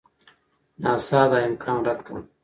ناسا دا امکان رد کړ.